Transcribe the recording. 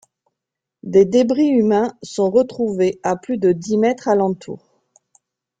Des débris humains sont retrouvés à plus de dix mètres alentour.